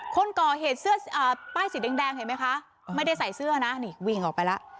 คนก่อเหตุเสื้อป้ายสีแดงเห็นไหมคะไม่ได้ใส่เสื้อนะนี่วิ่งออกไปแล้ว